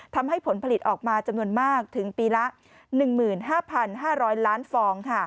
ผลผลิตออกมาจำนวนมากถึงปีละ๑๕๕๐๐ล้านฟอง